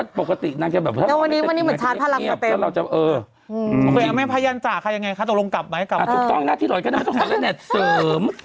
ถูกต้องหน้าที่รอยด้วยเนี่ยต้องหาในแหลตเสริม